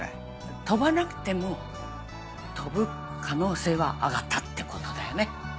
飛ばなくても飛ぶ可能性は上がったってことだよね。